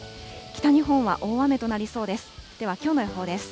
北日本は大雨となりそうです。